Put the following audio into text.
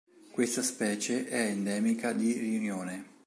Questa specie è endemica di Riunione.